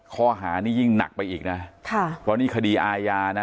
ข้อหานี่ยิ่งหนักไปอีกนะค่ะเพราะนี่คดีอาญานะ